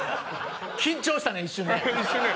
緊張したね一瞬ね。